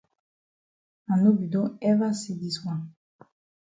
I no be don ever see dis wan.